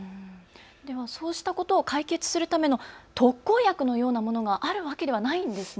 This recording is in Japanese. そうしたことを解決のための特効薬のようなものがあるわけではないんですね。